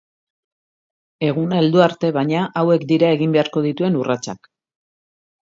Eguna heldu arte, baina, hauek dira egin beharko dituen urratsak.